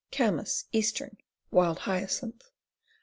Camass, Eastern. Wild Hyacinth.